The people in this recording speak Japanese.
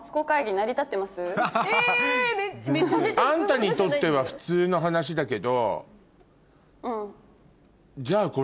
あんたにとっては普通の話だけどじゃあ